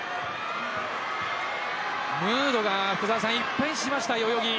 ムードが一変しました、代々木。